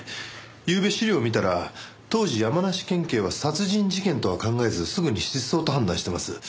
ゆうべ資料を見たら当時山梨県警は殺人事件とは考えずすぐに失踪と判断してます。